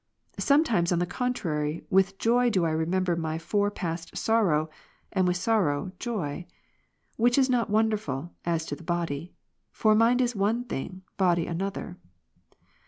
Sometimes, on the contrary, with joy do I remember my fore past sorrow, and with sorrow, joy. Which is not wonderful, as to the body ; for mind is one thing, body another.